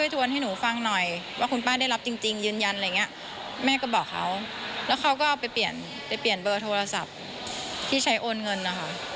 ทางแอปพลิเคชันซึ่งแม่ก็ไม่ได้เปิดแอปพลิเคชันนี้นะ